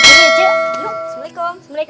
kalau gitu kita kabur dulu ya c